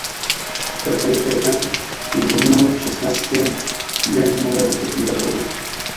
Celkově se jedná o jeho šestnácté grandslamové vítězství ve dvouhře.